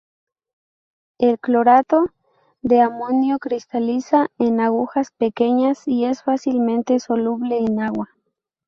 El clorato de amonio cristaliza en agujas pequeñas, y es fácilmente soluble en agua.